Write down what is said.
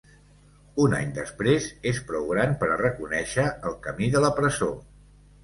Un any després, és prou gran per a reconèixer el camí de la presó.